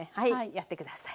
やってください。